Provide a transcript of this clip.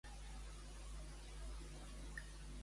I quins d'ells estarien dispostos a col·laborar?